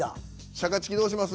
シャカチキどうします？